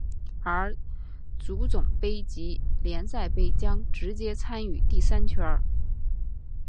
而足总杯及联赛杯将直接参与第三圈。